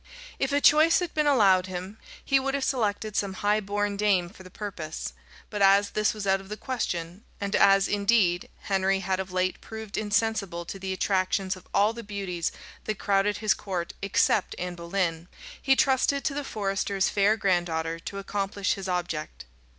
If a choice had been allowed him, he would have selected some high born dame for the purpose; but as this was out of the question and as, indeed, Henry had of late proved insensible to the attractions of all the beauties that crowded his court except Anne Boleyn he trusted to the forester's fair granddaughter to accomplish his object.